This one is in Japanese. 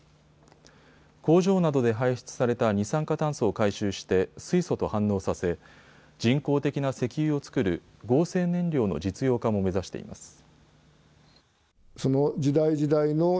工場などで排出された二酸化炭素を回収して水素と反応させ人工的な石油を作る合成燃料の実用化も目指しています。